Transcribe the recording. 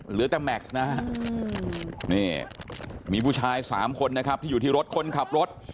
เหลือแต่แม็กซ์นะฮะนี่มีผู้ชายสามคนนะครับที่อยู่ที่รถคนขับรถ